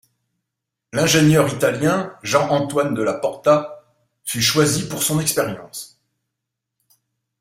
L'ingénieur italien Jean-Antoine de la Porta fut choisi pour son expérience.